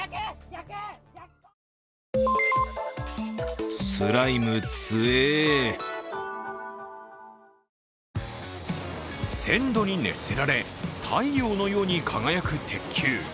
１０００度に熱せられ太陽のように輝く鉄球。